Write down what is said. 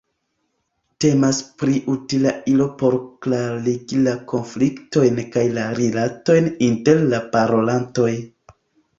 Temas pri utila ilo por klarigi la konfliktojn kaj la rilatojn inter la parolantoj.